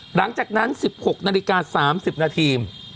หลังจากนั้น๑๖นาฬิกา๓๐นาที